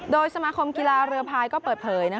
โดยสมาคมกีฬาเรือพายก็เปิดเผย